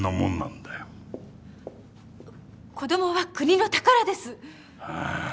子供は国の宝です！